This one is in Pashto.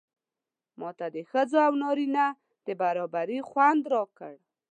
ماته د ښځو او نارینه و برابري خوند راکړ.